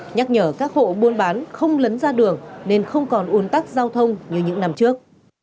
nhắc nhở các hộ buôn bán không lấn ra đường nên không còn ủn tắc giao thông như những năm trước